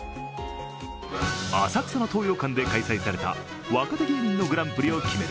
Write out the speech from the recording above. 浅草の東洋館で開催された若手芸人のグランプリを決める